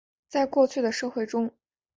在过去的社会中。